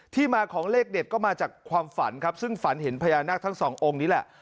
มาของเลขเด็ดก็มาจากความฝันครับซึ่งฝันเห็นพญานาคทั้งสององค์นี้แหละ